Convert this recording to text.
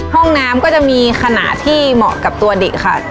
ห้องน้ำก็จะมีขณะที่เหมาะกับตัวเด็กค่ะ